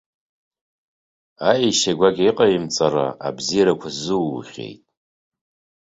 Аешьа гуакьа иҟаимҵара абзиарақәа сзуухьеит.